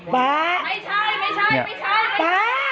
ป๊าป๊า